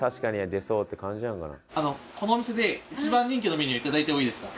このお店で一番人気のメニューいただいてもいいですか？